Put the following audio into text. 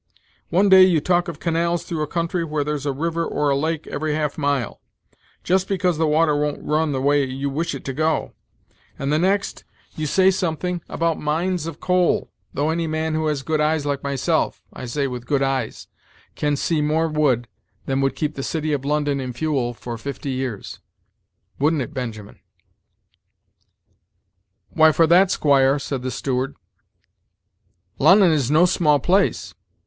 One day you talk of canals through a country where there's a river or a lake every half mile, just because the water won't run the way you wish it to go; and, the next, you say some thing about mines of coal, though any man who has good eyes like myself I say, with good eyes can see more wood than would keep the city of London in fuel for fifty years; wouldn't it, Benjamin?" "Why, for that, squire," said the steward, "Lon'on is no small place.